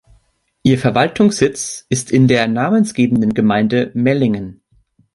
Ihr Verwaltungssitz ist in der namensgebenden Gemeinde Mellingen.